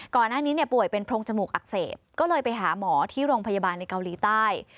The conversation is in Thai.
ก่อนหน้านี้เนี่ยป่วยเป็นโพรงจมูกอักเสบก็เลยไปหาหมอที่โรงพยาบาลในเกาหลีใต้